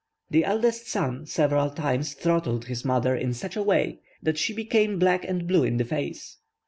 The eldest son several times throttled his mother in such a way that she became black and blue in the face.